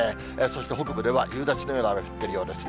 そして北部では夕立のような雨、降っているようです。